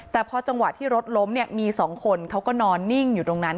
แต่พอจังหวะที่รถล้มเนี่ยมี๒คนเขาก็นอนนิ่งอยู่ตรงนั้น